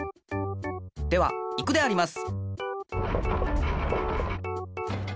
ではいくであります！